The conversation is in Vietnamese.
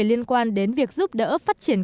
liên quan đến việc giúp đỡ phát triển